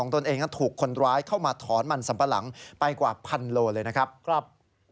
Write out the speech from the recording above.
ถูกคนร้ายโดดเข้ามาถอนมันสัมปะหลังไปกว่าพันโลเลยนะครับ